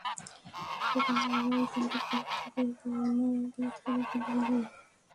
দেখো, বাবা, বাবা, ঐ বন্দুকগুলো থেকে বর্ম-ভেদকারী গুলি বেরায়।